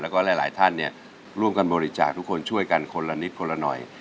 แล้วก็หลายท่านเนี่ยร่วมกันบริจาคทุกคนช่วยกันคนละนิดคนละหน่อย